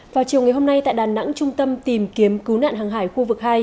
vào chiều ngày hôm nay tại đà nẵng trung tâm tìm kiếm cứu nạn hàng hải khu vực hai